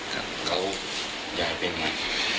เขายายเป็นไง